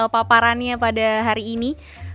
paparannya pada hari ini